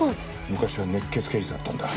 昔は熱血刑事だったんだ。